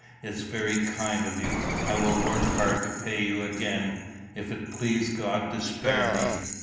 It's very kind of you. I will work hard to pay you again, if it please God to spare me.